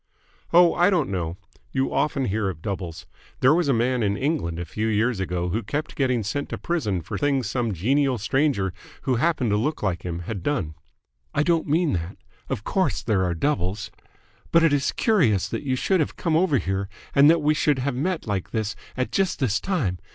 "Oh, I don't know. You often hear of doubles. There was a man in England a few years ago who kept getting sent to prison for things some genial stranger who happened to look like him had done." "I don't mean that. Of course there are doubles. But it is curious that you should have come over here and that we should have met like this at just this time.